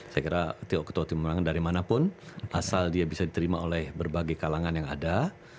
saya kira ketua tim pemenangan dari manapun asal dia bisa diterima oleh berbagai kalangan yang ada